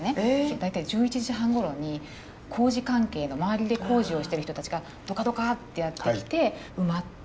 大体１１時半ごろに工事関係の周りで工事をしてる人たちがドカドカってやって来て埋まって。